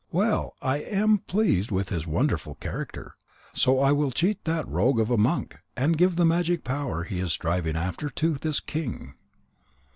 Well, I am pleased with his wonderful character. So I will cheat that rogue of a monk, and give the magic power he is striving after to this king."